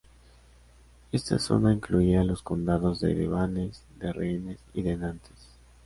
Esta zona incluía los condados de de Vannes, de Rennes y de Nantes.